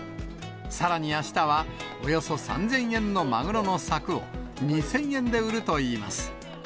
さらに、あしたはおよそ３０００円のマグロのさくを２０００円で売るといいます。